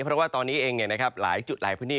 เพราะว่าตอนนี้เองหลายจุดหลายพื้นที่